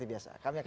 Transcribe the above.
terima kasih pak